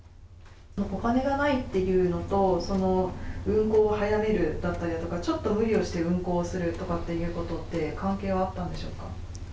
お金がないというのと、運航を早めるだったりとか、ちょっと無理をして運航することって何か関係はあったんでしょう